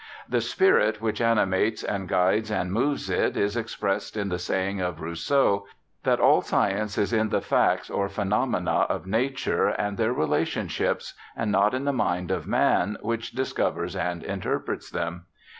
The spirit which animates and guides and moves it is ex pressed in the saying of Rousseau, " that all science is m the facts or phenomena of nature and their relation ships, and not in the mind of man, which discovers and interprets them."